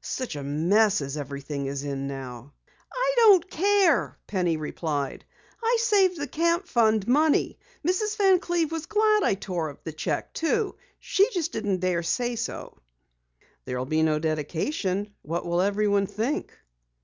"Such a mess as everything is in now!" "I don't care," Penny replied. "I saved the Camp Fund money. Mrs. Van Cleve was glad I tore up the cheque too! She just didn't dare say so." "There will be no dedication. What will everyone think?"